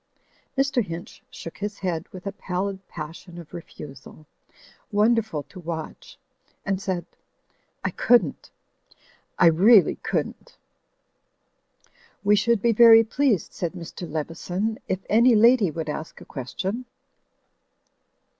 Mr. Hinch shook his head with a pallid passion of refusal, wonderful to watch, and said, "I couldn't! I really couldn't!" "We should be very pleased," said Mr. Leveson, "if any lady would ask a question."